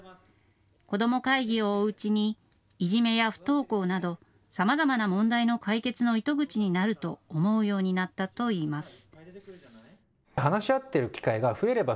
子ども会議を追ううちにいじめや不登校などさまざまな問題の解決の糸口になると思うようになったといいます。